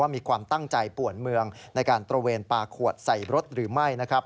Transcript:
มีความตั้งใจป่วนเมืองในการตระเวนปลาขวดใส่รถหรือไม่นะครับ